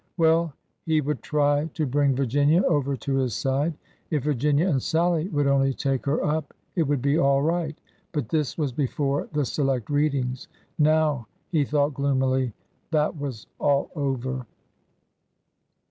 Well, he would try to bring Virginia over to his side. If Virginia and Sallie would only take her up, it would be all right. But this was before the " Select Readings." Now, he thought gloomily, that was all over!